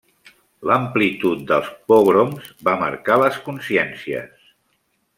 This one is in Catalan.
L'amplitud dels pogroms va marcar les consciències.